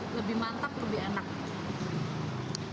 lebih mantap lebih enak